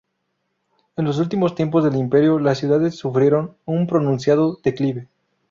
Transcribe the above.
En los últimos tiempos del Imperio las ciudades sufrieron un pronunciado declive.